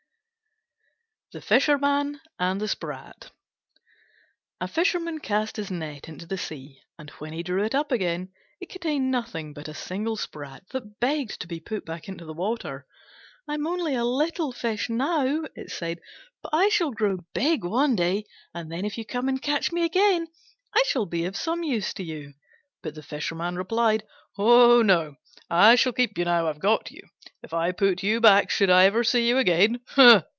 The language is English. THE FISHERMAN AND THE SPRAT A Fisherman cast his net into the sea, and when he drew it up again it contained nothing but a single Sprat that begged to be put back into the water. "I'm only a little fish now," it said, "but I shall grow big one day, and then if you come and catch me again I shall be of some use to you." But the Fisherman replied, "Oh, no, I shall keep you now I've got you: if I put you back, should I ever see you again?